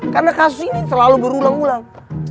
karena kasus ini selalu berulang ulang